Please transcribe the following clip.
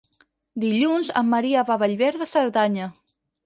Dilluns en Maria va a Bellver de Cerdanya.